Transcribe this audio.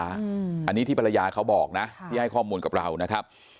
อันนี้ที่ภรรยาเขาบอกนะที่ให้ข้อมูลกับเรานะครับ